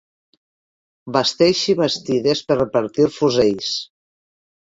Basteixi bastides per repartir fusells.